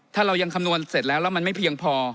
ถ้าเรายังคำนวณเสร็จแล้วแล้วมันไม่เพียงพอ